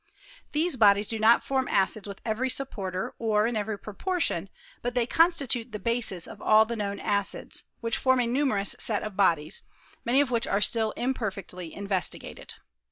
These bodies do not form acids with every supporter, or in every proportion ; but they constitute the bases of all the known acids, which form a numerous set of bodies, many of which are still very imperfectly investigated.